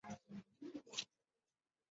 好温暖好爽